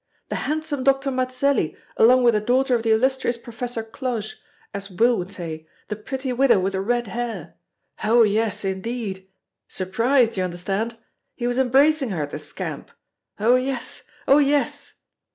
The handsome Doctor Mazelli along with the daughter of the illustrious Professor Cloche, as Will would say, the pretty widow with the red hair. Oh! yes, indeed surprised, you understand? He was embracing her, the scamp. Oh! yes oh! yes."